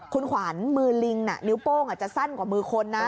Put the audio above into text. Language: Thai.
คุณขวัญมือลิงนิ้วโป้งจะสั้นกว่ามือคนนะ